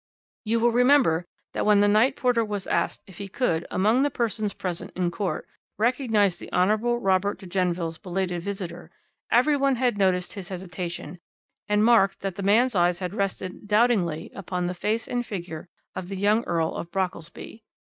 "You will remember that when the night porter was asked if he could, among the persons present in court, recognize the Hon. Robert de Genneville's belated visitor, every one had noticed his hesitation, and marked that the man's eyes had rested doubtingly upon the face and figure of the young Earl of Brockelsby.